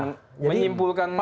ini yang menyimpulkan misalnya